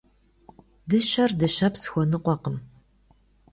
Дыщэр дыщэпс хуэныкъуэкъым.